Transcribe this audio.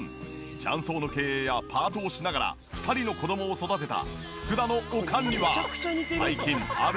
雀荘の経営やパートをしながら２人の子供を育てた福田のおかんには最近ある悩みが。